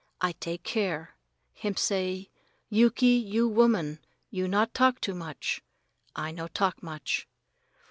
I take care. Him say, 'Yuki, you woman you not talk too much.' I no talk much.